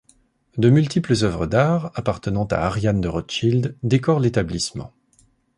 De multiples œuvres d'art appartenant à Ariane de Rothschild décorent l'établissement.